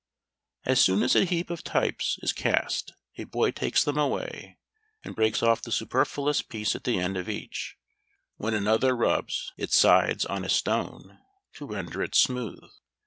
As soon as a heap of types is cast, a boy takes them away, and breaks off the superfluous piece at the end of each, when another rubs its sides on a stone, to render it smooth.